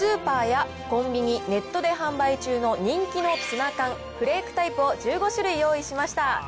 さあ、こちらにスーパーやコンビニ、ネットで販売中の人気のツナ缶フレークタイプを１５種類用意しました。